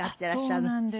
そうなんです。